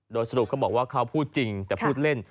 โดยสรุปเขาบอกว่าเขาพูดจริงแต่พูดเล่น